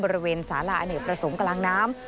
บริเวณสาราอเนกประสงค์กลางน้ำ